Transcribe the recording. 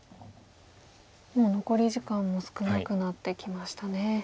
もう残り時間も少なくなってきましたね。